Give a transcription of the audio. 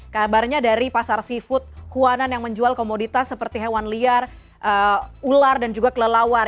kabarnya dari pasar seafood huanan yang menjual komoditas seperti hewan liar ular dan juga kelelawar